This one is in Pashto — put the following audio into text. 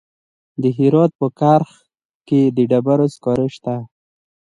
د هرات په کرخ کې د ډبرو سکاره شته.